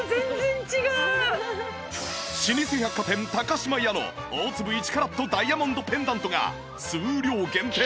老舗百貨店島屋の大粒１カラットダイヤモンドペンダントが数量限定